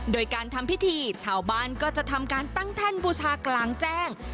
โดยการทำพิธีชาวบ้านก็จะทำการตั้งแท่นบูชากลางแจ้ง